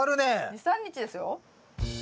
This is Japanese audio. ２３日ですよ。